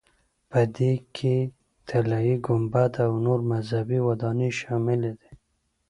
په دې کې طلایي ګنبده او نورې مذهبي ودانۍ شاملې دي.